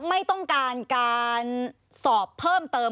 ไม่ต้องการการสอบเพิ่มเติม